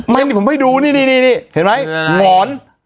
ไม่ผมไม่ดูนี่เห็นไหมหงอน